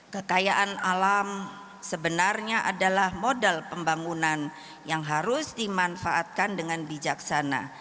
kekayaan alam sebenarnya adalah modal pembangunan yang harus dimanfaatkan dengan bijaksana